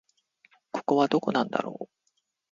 ここはどこなんだろう